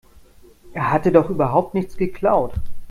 Er hatte doch überhaupt nichts geklaut.